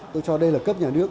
tôi cho đây là cấp nhà nước